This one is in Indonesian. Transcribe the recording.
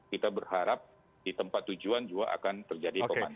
kita berharap di tempat tujuan juga akan terjadi pemantau